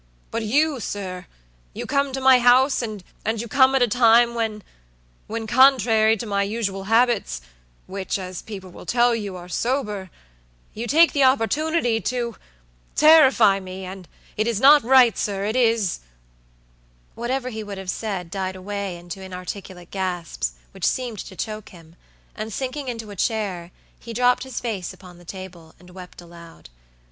But you, sir, you come to my house, and you come at a time whenwhencontrary to my usual habitswhich, as people will tell you, are soberyou take the opportunity toterrify meand it is not right, sirit is" Whatever he would have said died away into inarticulate gasps, which seemed to choke him, and sinking into a chair, he dropped his face upon the table, and wept aloud.